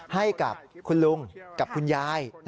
ให้กับคุณลุงกับคุณยาย